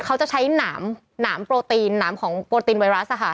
เขาจะใช้หนามโปรตีนหนามของโปรตีนไวรัส